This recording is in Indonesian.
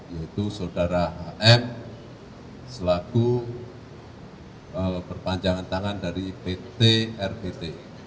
yaitu saudara hm selaku perpanjangan tangan dari pt rbt